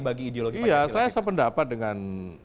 bagi ideologi pancasila iya saya sependapat dengan